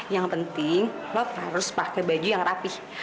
yang penting lock harus pakai baju yang rapih